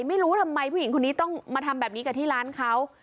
ไม่รู้ทำไมผู้หญิงคนนี้ต้องมาทำแบบนี้กับที่ร้านเขา